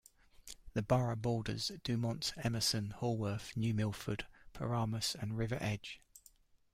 The borough borders Dumont, Emerson, Haworth, New Milford, Paramus and River Edge.